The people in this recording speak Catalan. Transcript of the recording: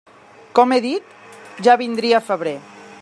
Com he dit: ja vindria febrer.